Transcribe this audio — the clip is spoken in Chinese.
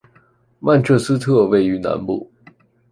曼彻斯特位于南部。